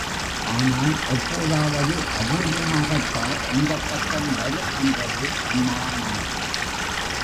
ஆனால் எப்போதாவது அபூர்வமாகத்தான் இந்தப் பக்கம் வரும் என்றது அம்மா மான்.